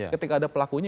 ketika ada pelakunya